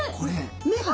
目が。